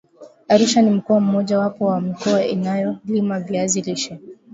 Arusha ni mkoa mmoja wapo wa mikoa inayolima viazi lishe